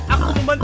aku mau bantu